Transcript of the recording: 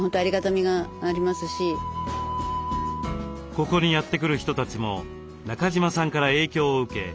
ここにやって来る人たちも中島さんから影響を受け